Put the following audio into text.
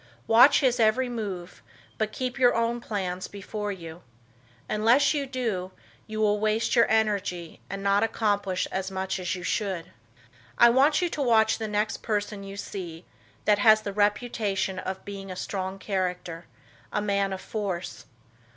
Watch his every move, but keep your own plans before you. Unless you do, you will waste your energy and not accomplish as much as you should. I want you to watch the next person you see that has the reputation of being a strong character, a man of force.